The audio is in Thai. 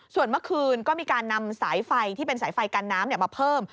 ส่วนเมื่อคืนก็มีการนำสายไฟที่เป็นสายไฟกันน้ำมาเพิ่ม